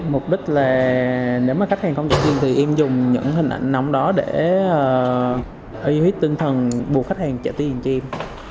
mục đích là nếu mà khách hàng không trả tiền thì em dùng những hình ảnh nóng đó để uy hi huyết tinh thần buộc khách hàng trả tiền chim